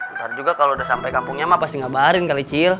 ntar juga kalo udah sampe kampung nyama pasti ngabarin kali cil